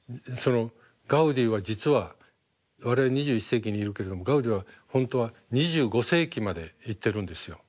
ガウディは実は我々２１世紀にいるけれどもガウディは本当は２５世紀まで行ってるんですよ。